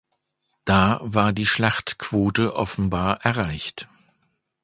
Da war die Schlachtquote offenbar erreicht.